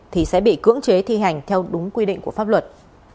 thì sẽ bị cưỡng chế thi hành theo đúng quy định của pháp luật